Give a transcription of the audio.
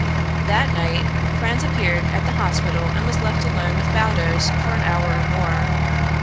That night Franz appeared at the hospital and was left alone with Baldos for an hour or more.